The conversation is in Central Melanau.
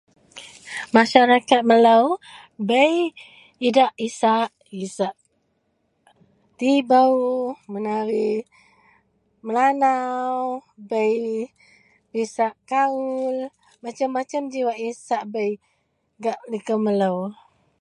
Masarakat melou bei idak isak, isak tibou, menari Melanau, bei isak kaul. Macem-macem ji wak isak bei gak likou melou.